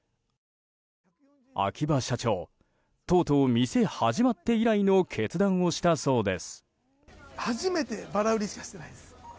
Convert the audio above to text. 秋葉社長、とうとう店始まって以来の決断をしたそうです。